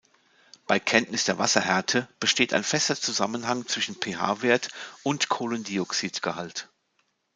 Bei Kenntnis der Wasserhärte besteht ein fester Zusammenhang zwischen pH-Wert und Kohlendioxidgehalt.